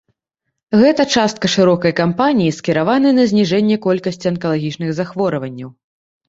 Гэта частка шырокай кампаніі, скіраванай на зніжэнне колькасці анкалагічных захворванняў.